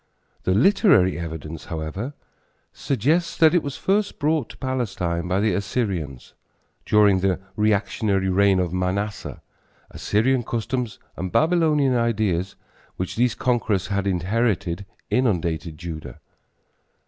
The literary evidence, however, suggests that it was first brought to Palestine by the Assyrians. During the reactionary reign of Manasseh, Assyrian customs and Baylonian ideas, which these conquerors had inherited, inundated Judah.